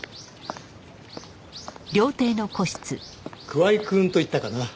桑井くんといったかな？